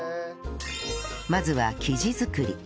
まずは生地作り